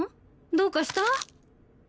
どうかした？